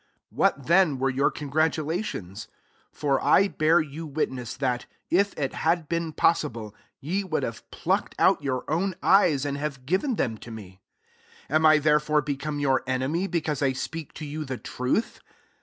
15 What then [were] your con gratulations P for I bear you witness that, if tC had been pos sible, ye would have plucked out your own eyes, and have given them tome. 16 Am I therefore become your enemy, because I speak to you the truth?